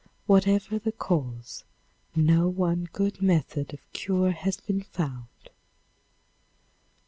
Whatever the cause, no one good method of cure has been found.